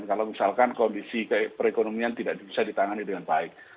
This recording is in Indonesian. kalau misalkan kondisi perekonomian tidak bisa ditangani dengan baik